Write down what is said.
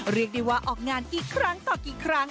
เรียกได้ว่าออกงานกี่ครั้งต่อกี่ครั้ง